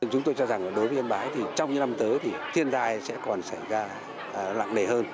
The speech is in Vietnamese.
chúng tôi cho rằng đối với yên bái trong những năm tới thì thiên tài sẽ còn xảy ra lặng đề hơn